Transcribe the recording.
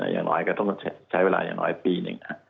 อย่างน้อยก็ต้องใช้เวลาอย่างน้อยปีหนึ่ง